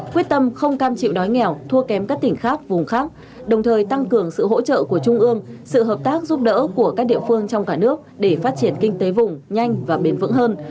quyết tâm không cam chịu đói nghèo thua kém các tỉnh khác vùng khác đồng thời tăng cường sự hỗ trợ của trung ương sự hợp tác giúp đỡ của các địa phương trong cả nước để phát triển kinh tế vùng nhanh và bền vững hơn